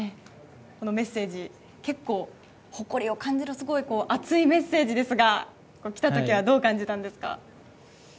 このメッセージ誇りを感じるすごい熱いメッセージですが来た時はどう感じたんですか？